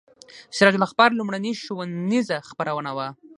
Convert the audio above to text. سراج الاخبار لومړنۍ ښوونیزه خپرونه وه.